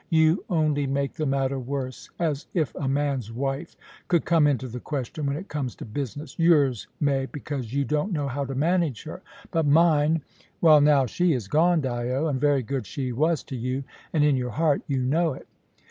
You only make the matter worse. As if a man's wife could come into the question, when it comes to business! Yours may, because you don't know how to manage her; but mine " "Well, now she is gone, Dyo; and very good she was to you, And in your heart, you know it."